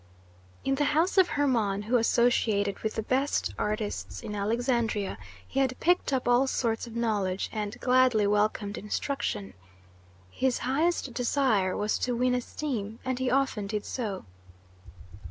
In the house of Hermon, who associated with the best artists in Alexandria, he had picked up all sorts of knowledge and gladly welcomed instruction. His highest desire was to win esteem, and he often did so.